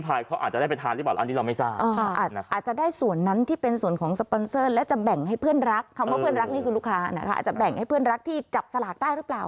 อาจจะบ้างให้เพื่อนรักที่จับสลากได้หรือเปล่า